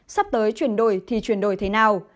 sắp tới chuyển đổi thì chuyển đổi thế nào